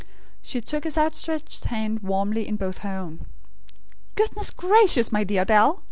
She took his outstretched hand warmly in both her own. "Goodness gracious, my dear Dal!